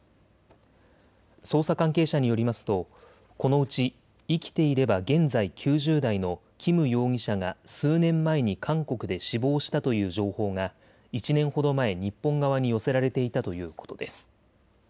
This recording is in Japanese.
捜査関係者によりますとこのうち生きていれば現在９０代の金容疑者が数年前に韓国で死亡したという情報が１年ほど前、日本側に寄せられていたということです。